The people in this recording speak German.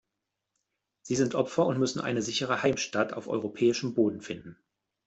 Sie sind Opfer und müssen eine sichere Heimstatt auf europäischem Boden finden.